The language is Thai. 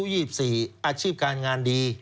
อายุ๒๔อาชีพการงานดี